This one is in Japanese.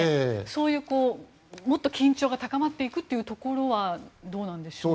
そういうもっと緊張が高まっていくところはどうなんでしょう。